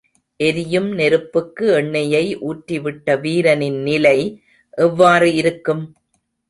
எரியும் நெருப்புக்கு எண்ணெயை ஊற்றிவிட்ட வீரனின் நிலை எவ்வாறு இருக்கும்?